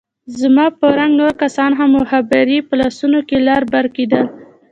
زما په رنګ نور کسان هم مخابرې په لاسو کښې لر بر کېدل.